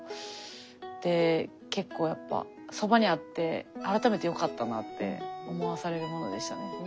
結構やっぱそばにあって改めてよかったなって思わされるものでしたね。